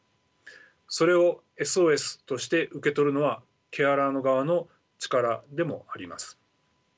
それをＳＯＳとして受け取るのはケアラーの側の力でもあります。